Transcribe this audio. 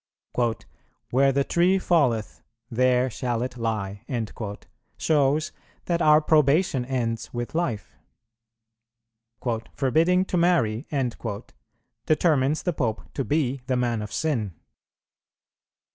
"Where the tree falleth, there shall it lie," shows that our probation ends with life. "Forbidding to marry" determines the Pope to be the man of sin.